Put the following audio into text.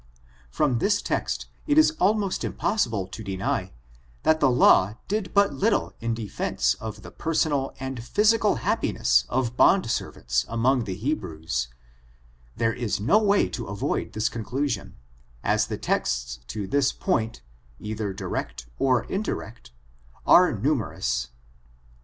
From this text, it is almost impossible to deny that the law did but little in defense of the personal and physical happiness of bond servants among the He brews ; there is no way to avoid this conclusion, as the texts to this point, either direct or indirect, are | numerous.